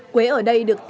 quế ở đây được thu nhập